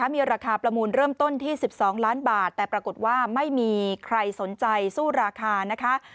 มีราคาประมูลเริ่มต้นที่๑๒ล้านบาทแต่ปรากฏว่าไม่มีใครสนใจสู้ราคานะคะ